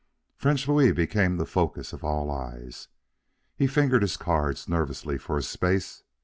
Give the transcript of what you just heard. French Louis became the focus of all eyes. He fingered his cards nervously for a space.